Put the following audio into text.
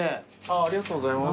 ありがとうございます。